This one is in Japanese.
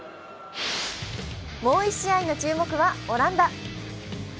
もう１試合の注目はオランダ。